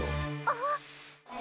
あっ。